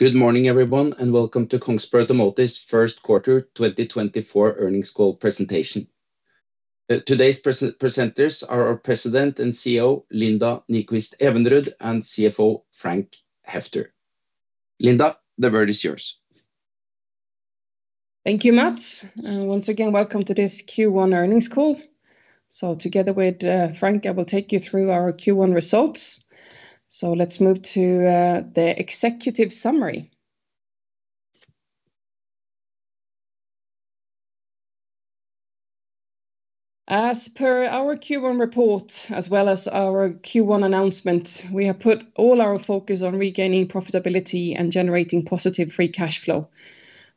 Good morning everyone, and welcome to Kongsberg Automotive's First Quarter 2024 Earnings Call Presentation. Today's presenters are our President and CEO Linda Nyquist-Evenrud and CFO Frank Heffter. Linda, the word is yours. Thank you Mads. Once again, welcome to this Q1 earnings call. Together with Frank I will take you through our Q1 results. Let's move to the executive summary. As per our Q1 report as well as our Q1 announcement, we have put all our focus on regaining profitability and generating positive free cash flow.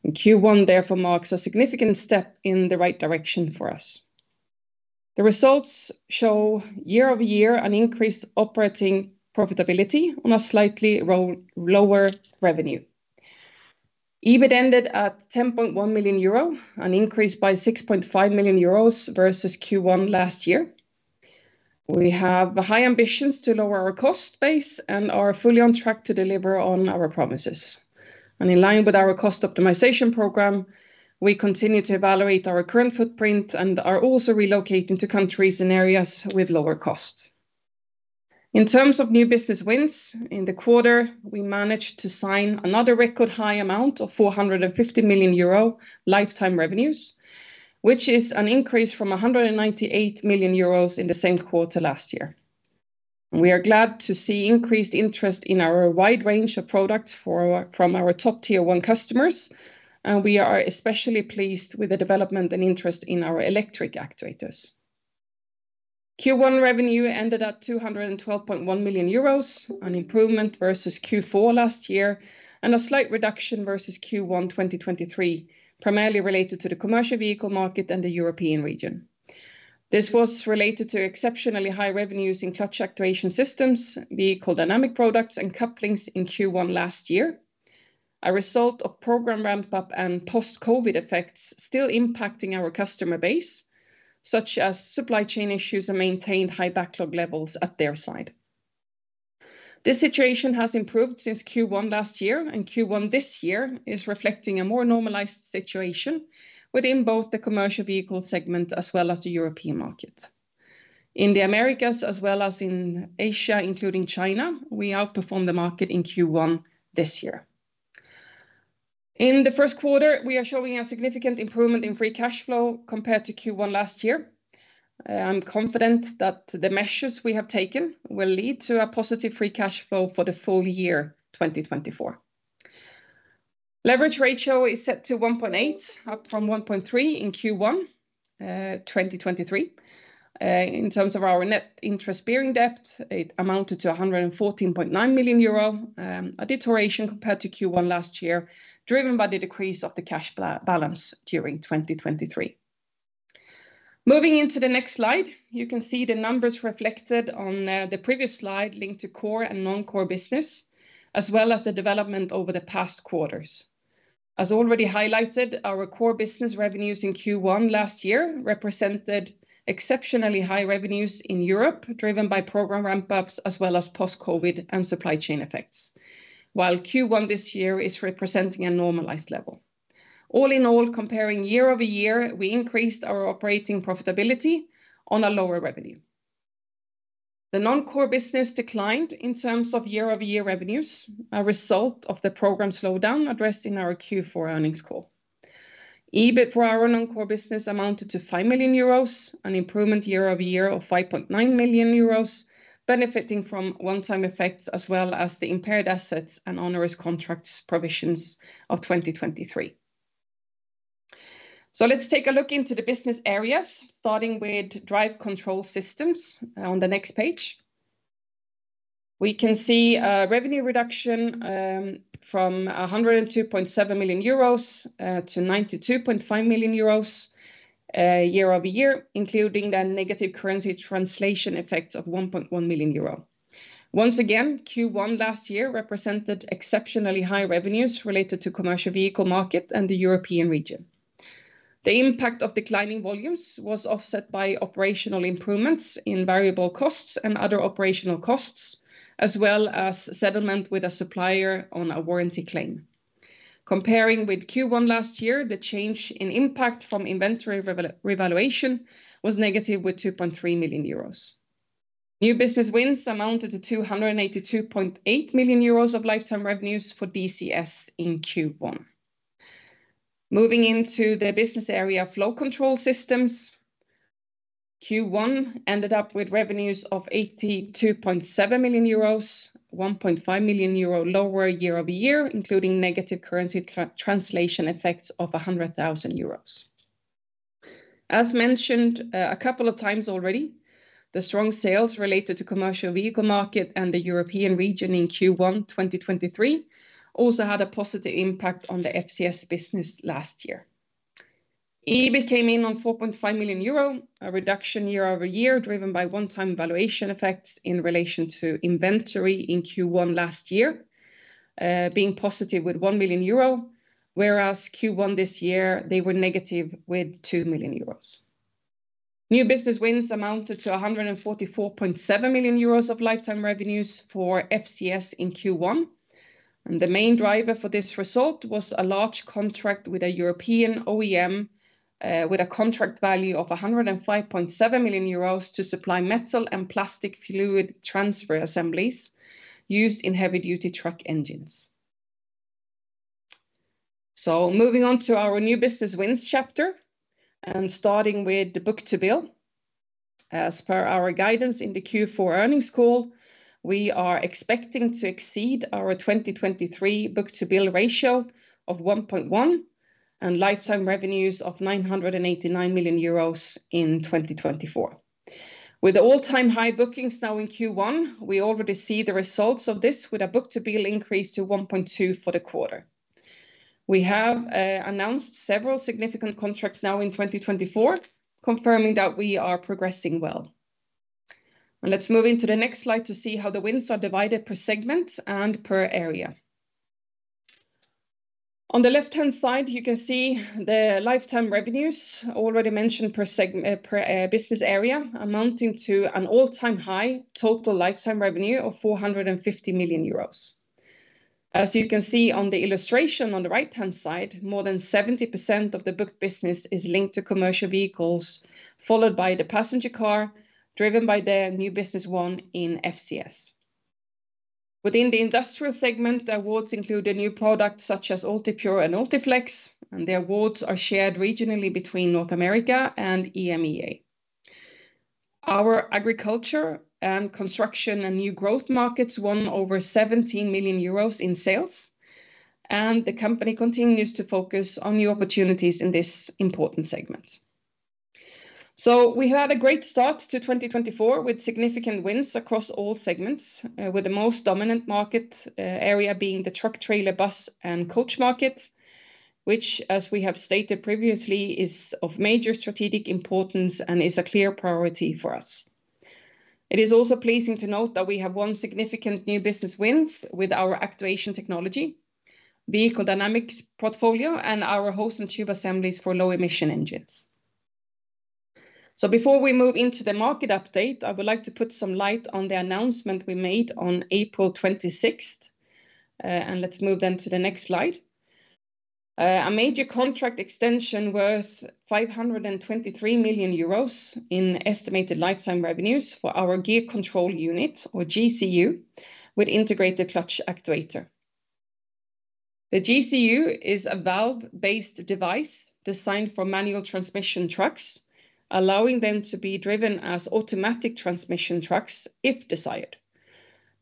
Q1 therefore marks a significant step in the right direction for us. The results show year-over-year an increased operating profitability on a slightly lower revenue. EBIT ended at 10.1 million euro, an increase by 6.5 million euros versus Q1 last year. We have high ambitions to lower our cost base and are fully on track to deliver on our promises. In line with our cost optimization program, we continue to evaluate our current footprint and are also relocating to countries and areas with lower cost. In terms of new business wins, in the quarter we managed to sign another record high amount of 450 million euro lifetime revenues, which is an increase from 198 million euros in the same quarter last year. We are glad to see increased interest in our wide range of products from our top Tier 1 customers, and we are especially pleased with the development and interest in our electric actuators. Q1 revenue ended at 212.1 million euros, an improvement versus Q4 last year, and a slight reduction versus Q1 2023, primarily related to the commercial vehicle market and the European region. This was related to exceptionally high revenues in clutch actuation systems, vehicle dynamic products, and couplings in Q1 last year, a result of program ramp-up and post-COVID effects still impacting our customer base, such as supply chain issues and maintained high backlog levels at their side. This situation has improved since Q1 last year, and Q1 this year is reflecting a more normalized situation within both the Commercial Vehicle segment as well as the European market. In the Americas as well as in Asia, including China, we outperformed the market in Q1 this year. In the first quarter, we are showing a significant improvement in free cash flow compared to Q1 last year. I'm confident that the measures we have taken will lead to a positive free cash flow for the full year 2024. Leverage ratio is set to 1.8, up from 1.3 in Q1 2023. In terms of our net interest bearing debt, it amounted to 114.9 million euro, a deterioration compared to Q1 last year driven by the decrease of the cash balance during 2023. Moving into the next slide, you can see the numbers reflected on the previous slide linked to core and non-core business, as well as the development over the past quarters. As already highlighted, our core business revenues in Q1 last year represented exceptionally high revenues in Europe driven by program ramp-ups as well as post-COVID and supply chain effects, while Q1 this year is representing a normalized level. All in all, comparing year-over-year, we increased our operating profitability on a lower revenue. The non-core business declined in terms of year-over-year revenues, a result of the program slowdown addressed in our Q4 earnings call. EBIT for our non-core business amounted to 5 million euros, an improvement year-over-year of 5.9 million euros, benefiting from one-time effects as well as the impaired assets and onerous contracts provisions of 2023. So let's take a look into the business areas, starting with Drive Control Systems on the next page. We can see a revenue reduction from 102.7 million euros to 92.5 million euros year-over-year, including the negative currency translation effects of 1.1 million euro. Once again, Q1 last year represented exceptionally high revenues related to commercial vehicle market and the European region. The impact of declining volumes was offset by operational improvements in variable costs and other operational costs, as well as settlement with a supplier on a warranty claim. Comparing with Q1 last year, the change in impact from inventory revaluation was negative with 2.3 million euros. New business wins amounted to 282.8 million euros of lifetime revenues for DCS in Q1. Moving into the business area of Flow Control Systems, Q1 ended up with revenues of 82.7 million euros, 1.5 million euro lower year-over-year, including negative currency translation effects of 100,000 euros. As mentioned a couple of times already, the strong sales related to commercial vehicle market and the European region in Q1 2023 also had a positive impact on the FCS business last year. EBIT came in on 4.5 million euro, a reduction year-over-year driven by one-time valuation effects in relation to inventory in Q1 last year, being positive with 1 million euro, whereas Q1 this year they were negative with 2 million euros. New business wins amounted to 144.7 million euros of lifetime revenues for FCS in Q1. The main driver for this result was a large contract with a European OEM with a contract value of 105.7 million euros to supply metal and plastic fluid transfer assemblies used in heavy-duty truck engines. So moving on to our new business wins chapter and starting with the book-to-bill. As per our guidance in the Q4 earnings call, we are expecting to exceed our 2023 book-to-bill ratio of 1.1 and lifetime revenues of 989 million euros in 2024. With all-time high bookings now in Q1, we already see the results of this with a book-to-bill increase to 1.2 for the quarter. We have announced several significant contracts now in 2024, confirming that we are progressing well. Let's move into the next slide to see how the wins are divided per segment and per area. On the left-hand side, you can see the lifetime revenues already mentioned per business area amounting to an all-time high total lifetime revenue of 450 million euros. As you can see on the illustration on the right-hand side, more than 70% of the booked business is linked to Commercial Vehicles, followed by the Passenger Car driven by the new business one in FCS. Within the Industrial segment, the awards include a new product such as UltiPure and UltiFlex, and the awards are shared regionally between North America and EMEA. Our agriculture and construction and new growth markets won over 17 million euros in sales, and the company continues to focus on new opportunities in this important segment. So we had a great start to 2024 with significant wins across all segments, with the most dominant market area being the truck, trailer, bus, and coach market, which, as we have stated previously, is of major strategic importance and is a clear priority for us. It is also pleasing to note that we have won significant new business wins with our actuation technology, vehicle dynamics portfolio, and our hose and tube assemblies for low-emission engines. So before we move into the market update, I would like to put some light on the announcement we made on April 26th, and let's move then to the next slide. A major contract extension worth 523 million euros in estimated lifetime revenues for our gear control unit, or GCU, with integrated clutch actuator. The GCU is a valve-based device designed for manual transmission trucks, allowing them to be driven as automatic transmission trucks if desired.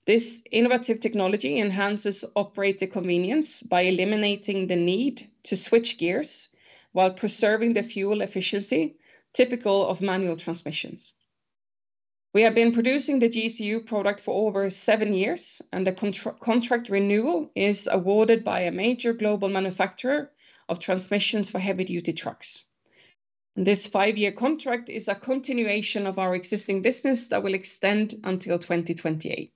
This innovative technology enhances operator convenience by eliminating the need to switch gears while preserving the fuel efficiency typical of manual transmissions. We have been producing the GCU product for over seven years, and the contract renewal is awarded by a major global manufacturer of transmissions for heavy-duty trucks. This five-year contract is a continuation of our existing business that will extend until 2028.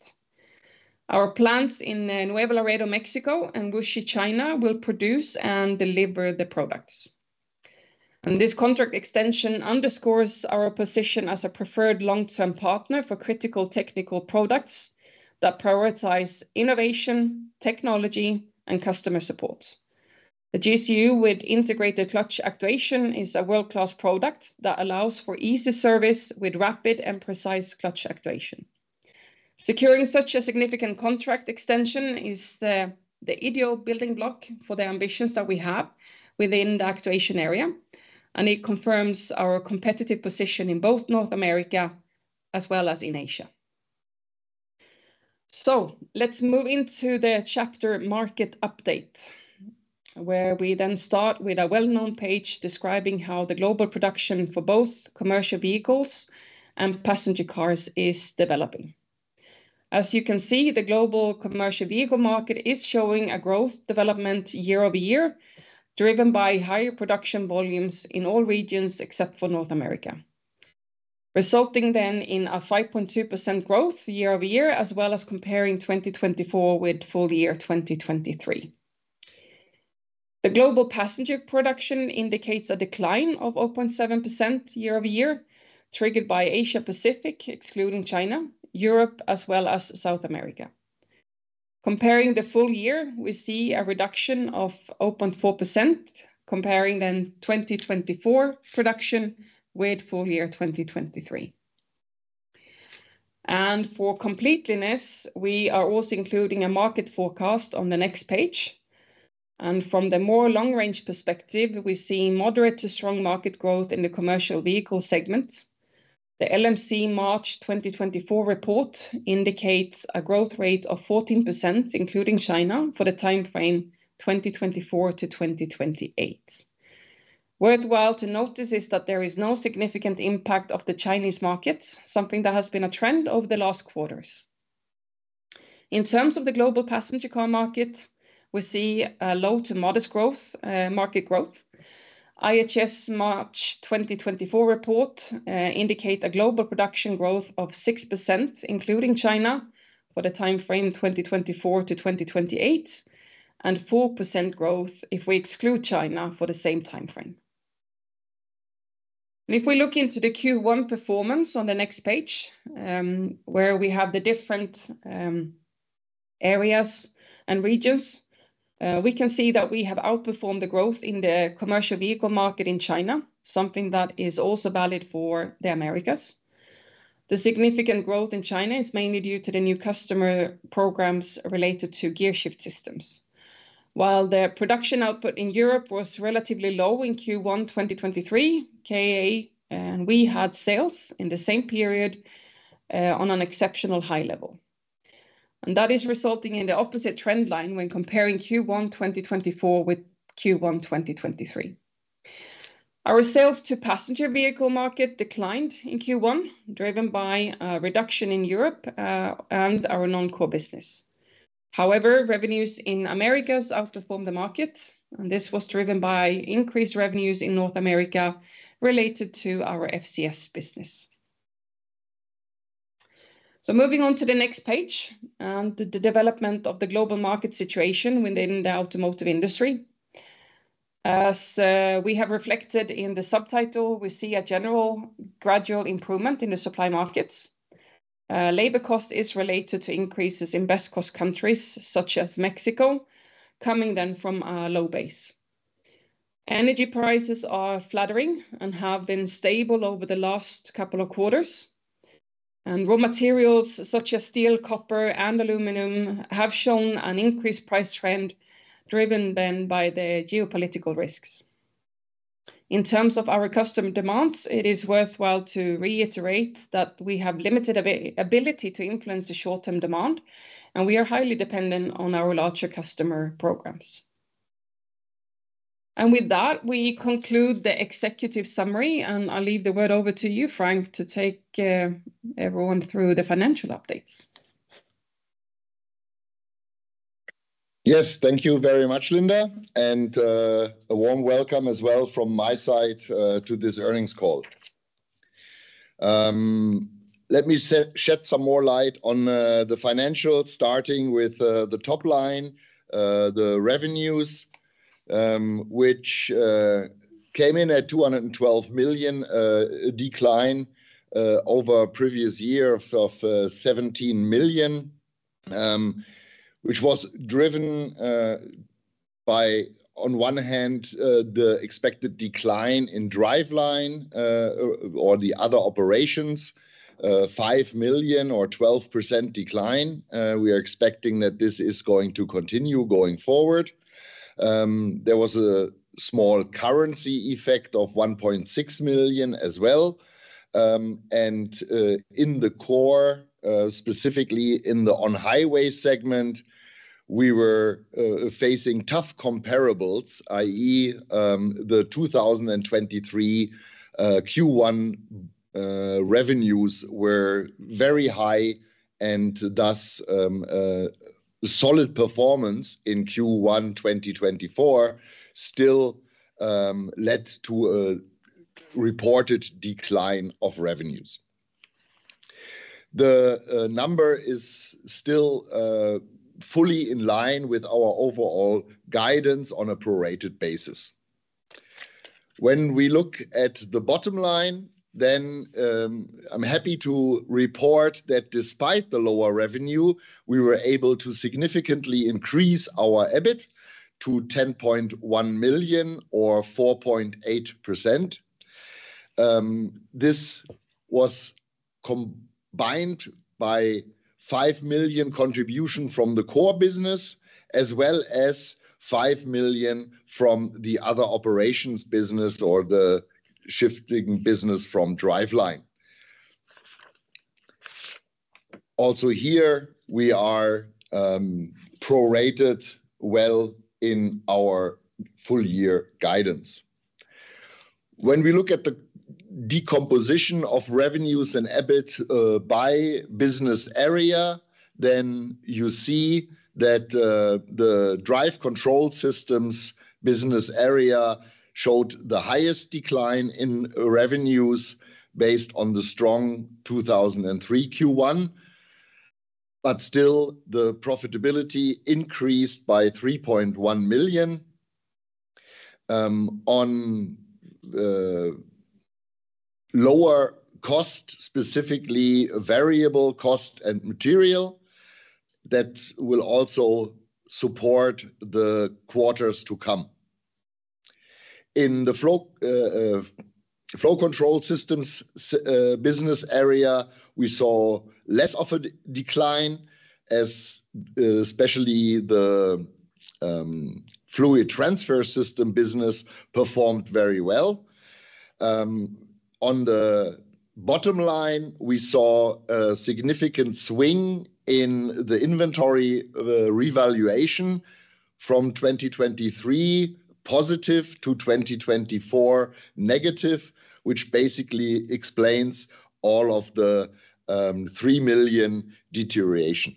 Our plants in Nuevo Laredo, Mexico, and Wuxi, China, will produce and deliver the products. This contract extension underscores our position as a preferred long-term partner for critical technical products that prioritize innovation, technology, and customer support. The GCU with integrated clutch actuation is a world-class product that allows for easy service with rapid and precise clutch actuation. Securing such a significant contract extension is the ideal building block for the ambitions that we have within the actuation area, and it confirms our competitive position in both North America as well as in Asia. So let's move into the chapter market update, where we then start with a well-known page describing how the global production for both Commercial Vehicles and Passenger Cars is developing. As you can see, the global commercial vehicle market is showing a growth development year-over-year driven by higher production volumes in all regions except for North America, resulting then in a 5.2% growth year-over-year as well as comparing 2024 with full year 2023. The global passenger production indicates a decline of 0.7% year-over-year, triggered by Asia-Pacific, excluding China, Europe, as well as South America. Comparing the full year, we see a reduction of 0.4%, comparing then 2024 production with full year 2023. For completeness, we are also including a market forecast on the next page. From the more long-range perspective, we see moderate to strong market growth in the Commercial Vehicle segment. The LMC March 2024 report indicates a growth rate of 14%, including China, for the timeframe 2024-2028. Worthwhile to note is that there is no significant impact of the Chinese market, something that has been a trend over the last quarters. In terms of the global passenger car market, we see a low to modest market growth. IHS March 2024 report indicates a global production growth of 6%, including China, for the timeframe 2024-2028, and 4% growth if we exclude China for the same timeframe. If we look into the Q1 performance on the next page, where we have the different areas and regions, we can see that we have outperformed the growth in the commercial vehicle market in China, something that is also valid for the Americas. The significant growth in China is mainly due to the new customer programs related to gear shift systems. While the production output in Europe was relatively low in Q1 2023, KA and we had sales in the same period on an exceptional high level. That is resulting in the opposite trend line when comparing Q1 2024 with Q1 2023. Our sales to passenger vehicle market declined in Q1, driven by a reduction in Europe and our non-core business. However, revenues in Americas outperformed the market, and this was driven by increased revenues in North America related to our FCS business. So moving on to the next page and the development of the global market situation within the automotive industry. As we have reflected in the subtitle, we see a general gradual improvement in the supply markets. Labor cost is related to increases in best-cost countries such as Mexico, coming then from a low base. Energy prices are flattening and have been stable over the last couple of quarters. And raw materials such as steel, copper, and aluminum have shown an increased price trend driven then by the geopolitical risks. In terms of our customer demands, it is worthwhile to reiterate that we have limited ability to influence the short-term demand, and we are highly dependent on our larger customer programs. And with that, we conclude the executive summary, and I'll leave the word over to you, Frank, to take everyone through the financial updates. Yes, thank you very much, Linda, and a warm welcome as well from my side to this earnings call. Let me shed some more light on the financials, starting with the top line, the revenues, which came in at 212 million, a decline over a previous year of 17 million, which was driven by, on one hand, the expected decline in Driveline or the other operations, 5 million or 12% decline. We are expecting that this is going to continue going forward. There was a small currency effect of 1.6 million as well. And in the core, specifically in the On-Highway segment, we were facing tough comparables, i.e., the 2023 Q1 revenues were very high and thus solid performance in Q1 2024 still led to a reported decline of revenues. The number is still fully in line with our overall guidance on a prorated basis. When we look at the bottom line, then I'm happy to report that despite the lower revenue, we were able to significantly increase our EBIT to 10.1 million or 4.8%. This was combined by 5 million contribution from the core business as well as 5 million from the other operations business or the shifting business from Driveline. Also here, we are prorated well in our full year guidance. When we look at the decomposition of revenues and EBIT by business area, then you see that the Drive Control Systems business area showed the highest decline in revenues based on the strong 2023 Q1. But still, the profitability increased by 3.1 million. On lower cost, specifically variable cost and material, that will also support the quarters to come. In the Flow Control Systems business area, we saw less of a decline as especially the Fluid Transfer System business performed very well. On the bottom line, we saw a significant swing in the inventory revaluation from 2023 positive to 2024 negative, which basically explains all of the 3 million deterioration.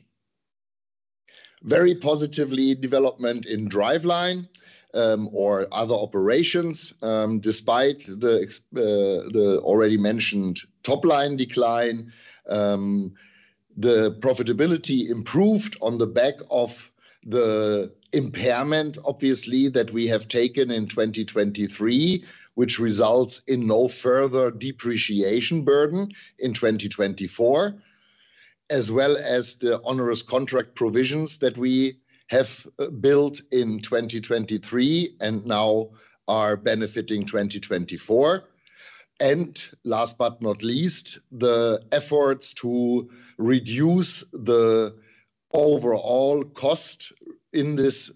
Very positive development in Driveline or other operations despite the already mentioned top line decline. The profitability improved on the back of the impairment, obviously, that we have taken in 2023, which results in no further depreciation burden in 2024, as well as the onerous contract provisions that we have built in 2023 and now are benefiting 2024. And last but not least, the efforts to reduce the overall cost in this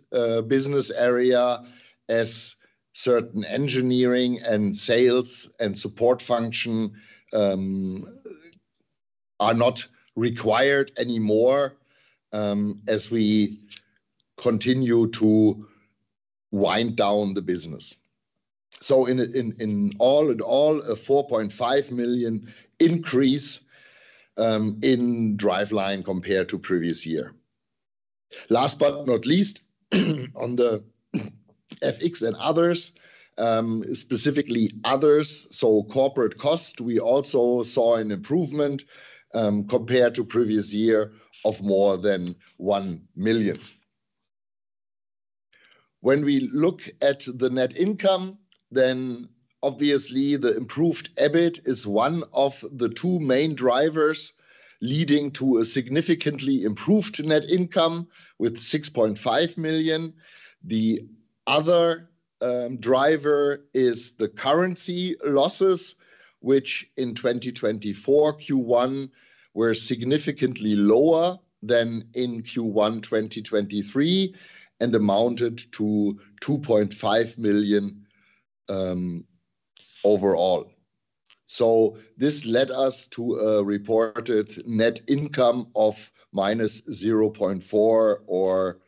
business area as certain engineering and sales and support function are not required anymore as we continue to wind down the business. So all in all, a 4.5 million increase in Driveline compared to previous year. Last but not least, on the FX and others, specifically others, so corporate cost, we also saw an improvement compared to previous year of more than 1 million. When we look at the net income, then obviously the improved EBIT is one of the two main drivers leading to a significantly improved net income with 6.5 million. The other driver is the currency losses, which in 2024 Q1 were significantly lower than in Q1 2023 and amounted to 2.5 million overall. So this led us to a reported net income of -0.4 million or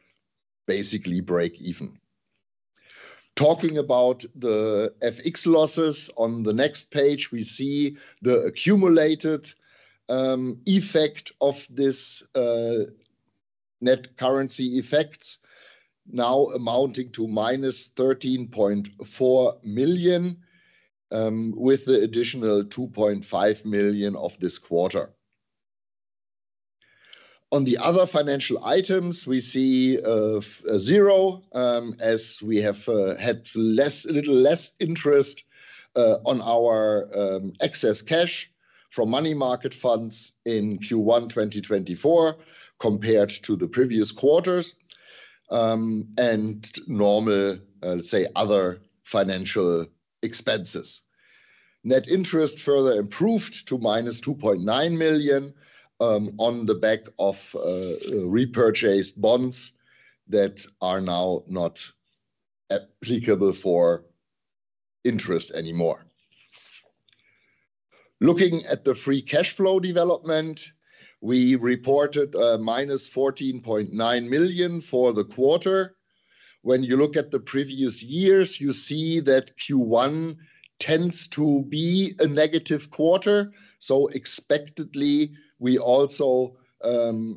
basically break even. Talking about the FX losses, on the next page we see the accumulated effect of this net currency effects now amounting to -13.4 million with the additional 2.5 million of this quarter. On the other financial items, we see zero as we have had a little less interest on our excess cash from money market funds in Q1 2024 compared to the previous quarters and normal, let's say, other financial expenses. Net interest further improved to -2.9 million on the back of repurchased bonds that are now not applicable for interest anymore. Looking at the free cash flow development, we reported a -14.9 million for the quarter. When you look at the previous years, you see that Q1 tends to be a negative quarter. So expectedly, we also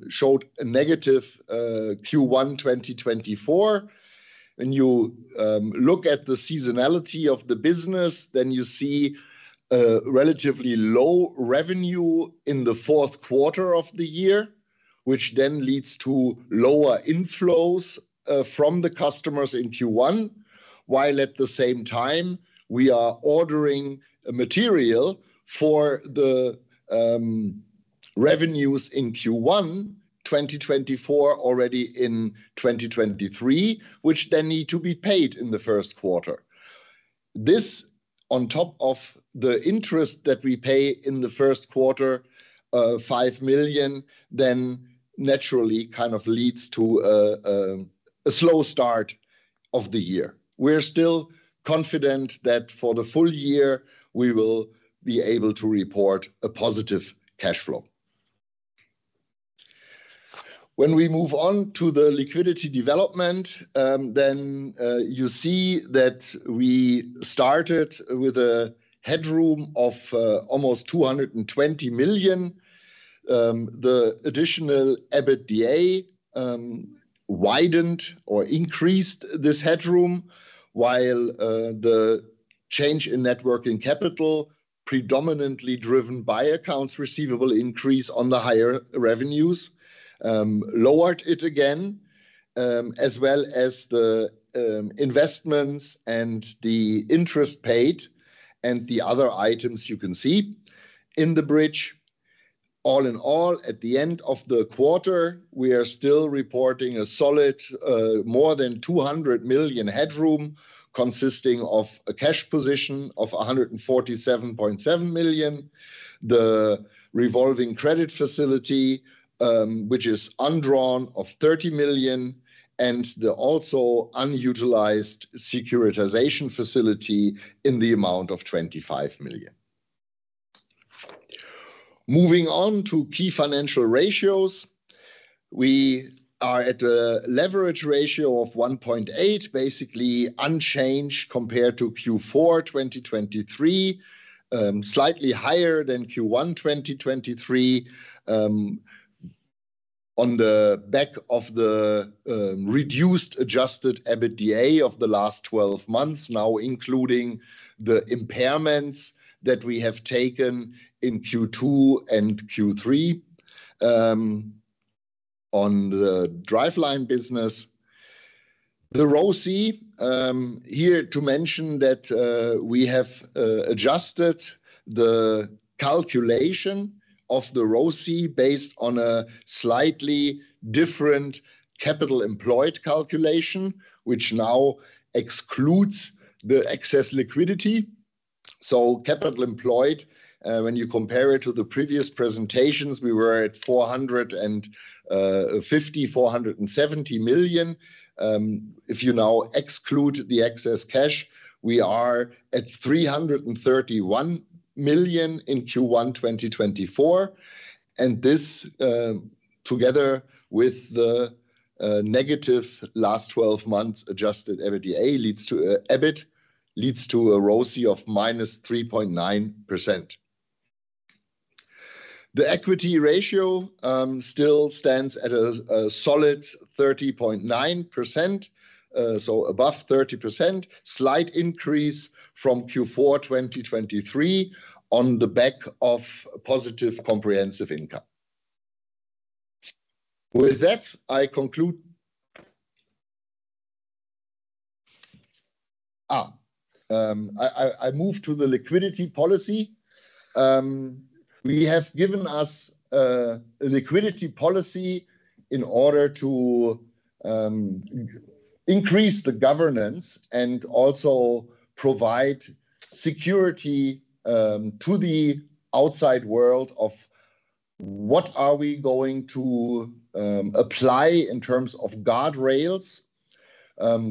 showed a negative Q1 2024. When you look at the seasonality of the business, then you see relatively low revenue in the fourth quarter of the year, which then leads to lower inflows from the customers in Q1, while at the same time we are ordering a material for the revenues in Q1 2024 already in 2023, which then need to be paid in the first quarter. This, on top of the interest that we pay in the first quarter, 5 million, then naturally kind of leads to a slow start of the year. We're still confident that for the full year we will be able to report a positive cash flow. When we move on to the liquidity development, then you see that we started with a headroom of almost 220 million. The additional EBITDA widened or increased this headroom, while the change in net working capital, predominantly driven by accounts receivable increase on the higher revenues, lowered it again, as well as the investments and the interest paid and the other items you can see in the bridge. All in all, at the end of the quarter, we are still reporting a solid, more than 200 million headroom consisting of a cash position of 147.7 million, the revolving credit facility, which is undrawn of 30 million, and the also unutilized securitization facility in the amount of 25 million. Moving on to key financial ratios, we are at a leverage ratio of 1.8, basically unchanged compared to Q4 2023, slightly higher than Q1 2023. On the back of the reduced adjusted EBITDA of the last 12 months, now including the impairments that we have taken in Q2 and Q3. On the Driveline business, the ROSI, here to mention that we have adjusted the calculation of the ROSI based on a slightly different capital employed calculation, which now excludes the excess liquidity. Capital employed, when you compare it to the previous presentations, we were at 450 million-470 million. If you now exclude the excess cash, we are at 331 million in Q1 2024. And this, together with the negative last 12 months adjusted EBITDA leads to a EBIT leads to a ROCE of -3.9%. The equity ratio still stands at a solid 30.9%, so above 30%, slight increase from Q4 2023 on the back of positive comprehensive income. With that, I conclude. I move to the liquidity policy. We have given us a liquidity policy in order to increase the governance and also provide security to the outside world of what are we going to apply in terms of guardrails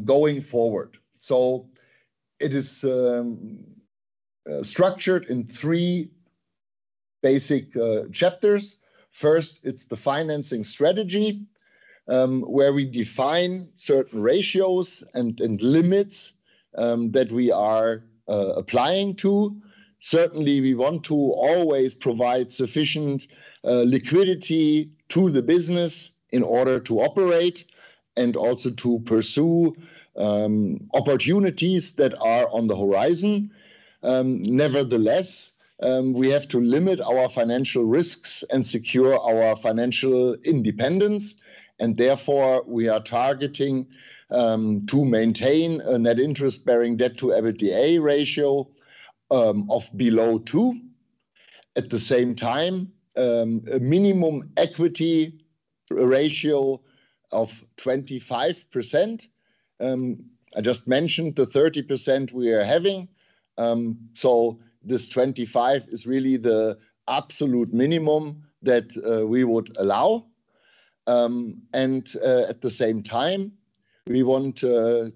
going forward. So it is structured in three basic chapters. First, it's the financing strategy where we define certain ratios and limits that we are applying to. Certainly, we want to always provide sufficient liquidity to the business in order to operate and also to pursue opportunities that are on the horizon. Nevertheless, we have to limit our financial risks and secure our financial independence. And therefore, we are targeting to maintain a net interest bearing debt to EBITDA ratio of below 2. At the same time, a minimum equity ratio of 25%. I just mentioned the 30% we are having. So this 25 is really the absolute minimum that we would allow. At the same time, we want to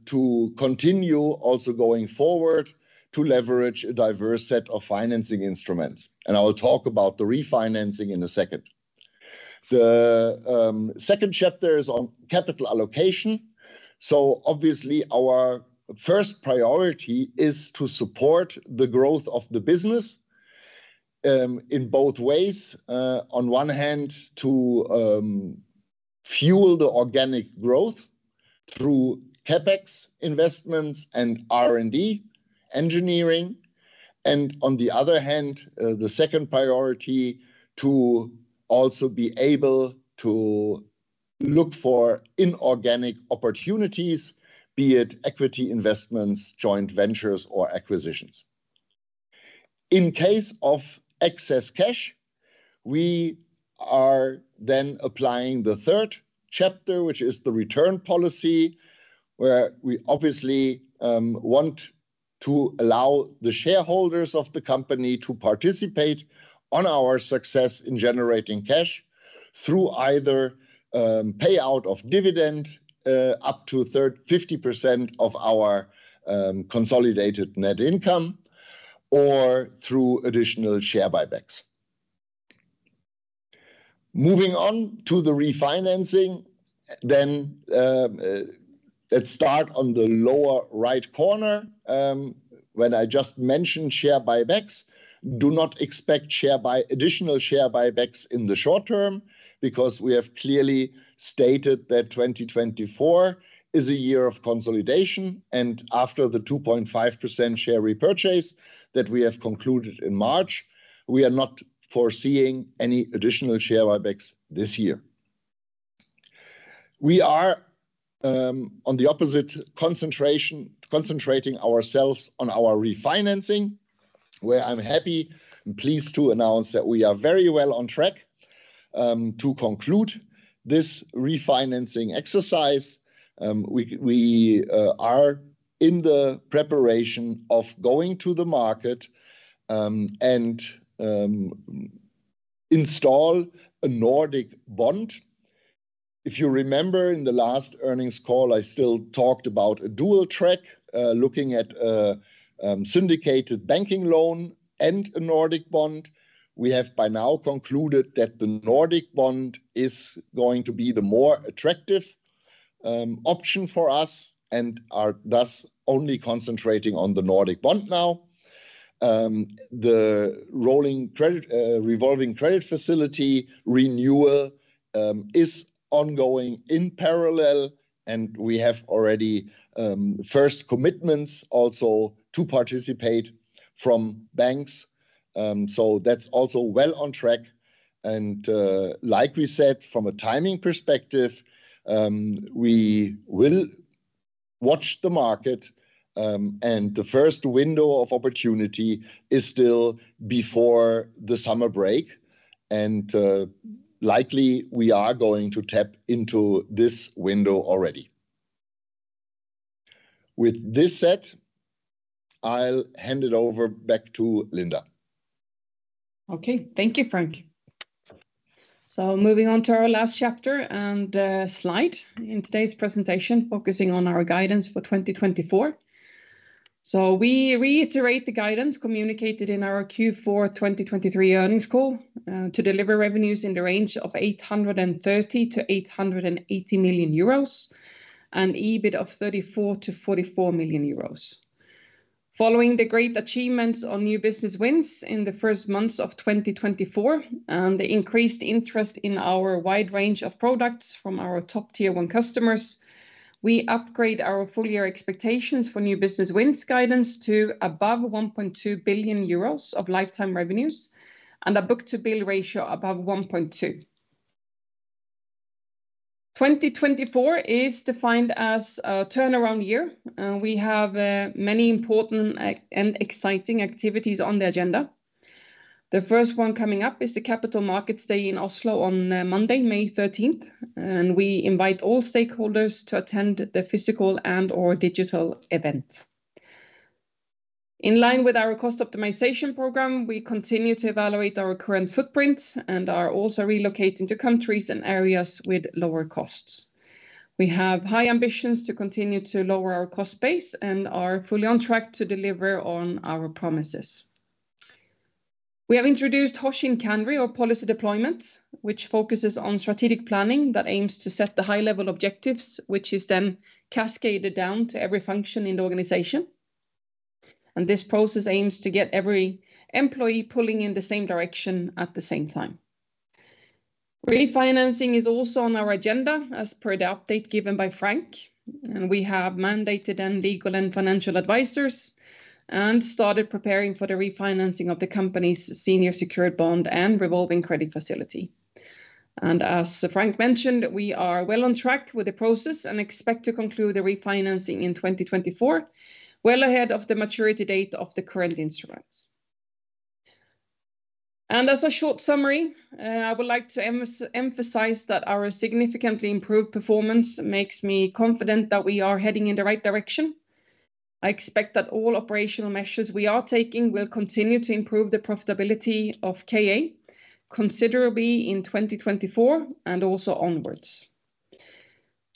continue also going forward to leverage a diverse set of financing instruments. I will talk about the refinancing in a second. The second chapter is on capital allocation. So obviously, our first priority is to support the growth of the business in both ways. On one hand, to fuel the organic growth through CapEx investments and R&D engineering. And on the other hand, the second priority to also be able to look for inorganic opportunities, be it equity investments, joint ventures, or acquisitions. In case of excess cash, we are then applying the third chapter, which is the return policy, where we obviously want to allow the shareholders of the company to participate on our success in generating cash through either payout of dividend up to 30%-50% of our consolidated net income or through additional share buybacks. Moving on to the refinancing, then let's start on the lower right corner. When I just mentioned share buybacks, do not expect additional share buybacks in the short term because we have clearly stated that 2024 is a year of consolidation. After the 2.5% share repurchase that we have concluded in March, we are not foreseeing any additional share buybacks this year. We are on the opposite, concentrating ourselves on our refinancing, where I'm happy and pleased to announce that we are very well on track to conclude this refinancing exercise. We are in the preparation of going to the market and install a Nordic bond. If you remember in the last earnings call, I still talked about a dual track looking at a syndicated banking loan and a Nordic bond. We have by now concluded that the Nordic bond is going to be the more attractive option for us and are thus only concentrating on the Nordic bond now. The rolling credit revolving credit facility renewal is ongoing in parallel and we have already first commitments also to participate from banks. So that's also well on track. Like we said, from a timing perspective, we will watch the market and the first window of opportunity is still before the summer break. Likely we are going to tap into this window already. With this said, I'll hand it over back to Linda. OK, thank you, Frank. Moving on to our last chapter and slide in today's presentation, focusing on our guidance for 2024. We reiterate the guidance communicated in our Q4 2023 earnings call to deliver revenues in the range of 830 million-880 million euros and EBIT of 34 million-44 million euros. Following the great achievements on new business wins in the first months of 2024 and the increased interest in our wide range of products from our top Tier 1 customers, we upgrade our full year expectations for new business wins guidance to above 1.2 billion euros of lifetime revenues and a book-to-bill ratio above 1.2. 2024 is defined as a turnaround year. We have many important and exciting activities on the agenda. The first one coming up is the Capital Markets Day in Oslo on Monday, May 13th, and we invite all stakeholders to attend the physical and/or digital event. In line with our cost optimization program, we continue to evaluate our current footprint and are also relocating to countries and areas with lower costs. We have high ambitions to continue to lower our cost base and are fully on track to deliver on our promises. We have introduced Hoshin Kanri, or policy deployment, which focuses on strategic planning that aims to set the high-level objectives, which is then cascaded down to every function in the organization. This process aims to get every employee pulling in the same direction at the same time. Refinancing is also on our agenda, as per the update given by Frank. We have mandated legal and financial advisors and started preparing for the refinancing of the company's senior secured bond and revolving credit facility. And as Frank mentioned, we are well on track with the process and expect to conclude the refinancing in 2024, well ahead of the maturity date of the current instruments. And as a short summary, I would like to emphasize that our significantly improved performance makes me confident that we are heading in the right direction. I expect that all operational measures we are taking will continue to improve the profitability of KA considerably in 2024 and also onwards.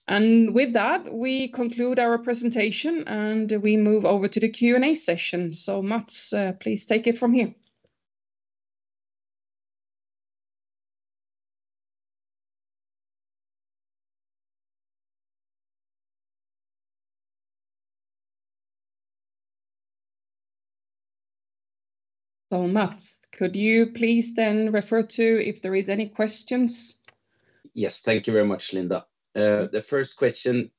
And with that, we conclude our presentation and we move over to the Q&A session. So Mats, please take it from here. So Mats, could you please then refer to if there is any questions? Yes, thank you very much, Linda. The first question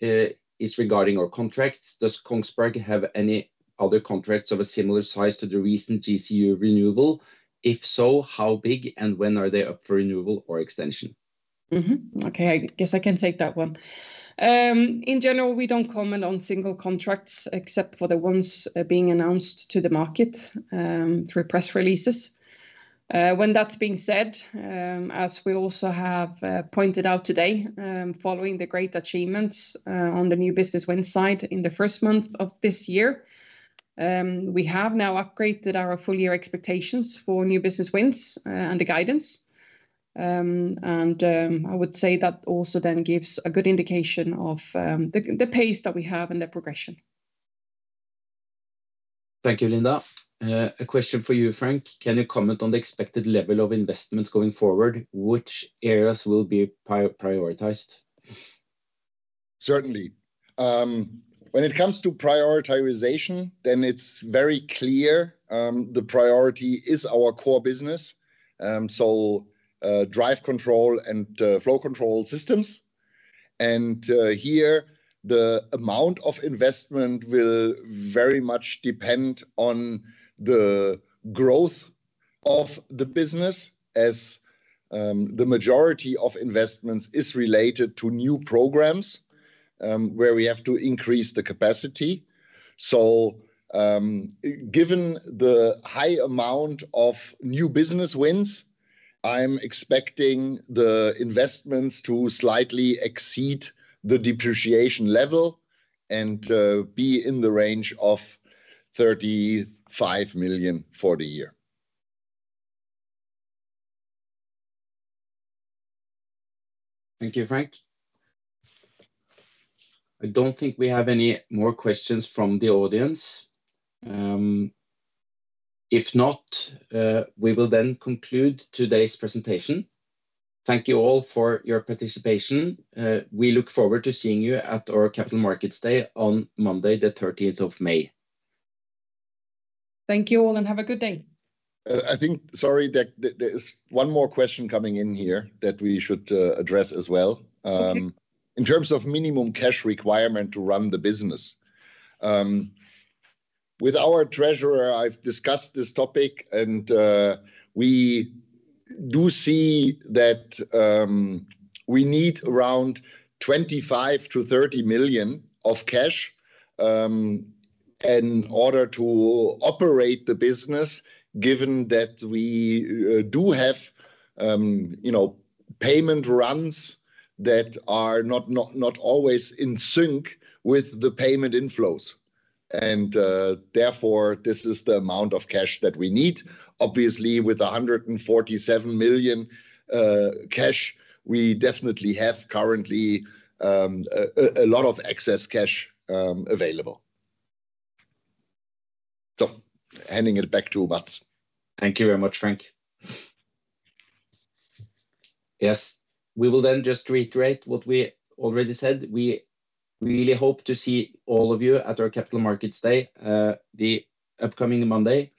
is regarding our contracts. Does Kongsberg have any other contracts of a similar size to the recent GCU renewal? If so, how big and when are they up for renewal or extension? OK, I guess I can take that one. In general, we don't comment on single contracts except for the ones being announced to the market through press releases. When that's being said, as we also have pointed out today, following the great achievements on the new business wins side in the first month of this year, we have now upgraded our full year expectations for new business wins and the guidance. And I would say that also then gives a good indication of the pace that we have and the progression. Thank you, Linda. A question for you, Frank. Can you comment on the expected level of investments going forward? Which areas will be prioritized? Certainly. When it comes to prioritization, then it's very clear the priority is our core business. So Drive Control and Flow Control Systems. And here the amount of investment will very much depend on the growth of the business as the majority of investments is related to new programs where we have to increase the capacity. So given the high amount of new business wins, I'm expecting the investments to slightly exceed the depreciation level and be in the range of 35 million for the year. Thank you, Frank. I don't think we have any more questions from the audience. If not, we will then conclude today's presentation. Thank you all for your participation. We look forward to seeing you at our Capital Markets Day on Monday, the 13th of May. Thank you all and have a good day. I think sorry that there is one more question coming in here that we should address as well. In terms of minimum cash requirement to run the business. With our treasurer, I've discussed this topic and we do see that we need around 25 million-30 million of cash. In order to operate the business, given that we do have, you know, payment runs that are not always in sync with the payment inflows. Therefore this is the amount of cash that we need. Obviously, with 147 million cash, we definitely have currently a lot of excess cash available. So handing it back to Mats. Thank you very much, Frank. Yes, we will then just reiterate what we already said. We really hope to see all of you at our Capital Markets Day the upcoming Monday.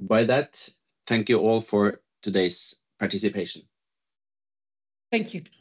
By that, thank you all for today's participation. Thank you.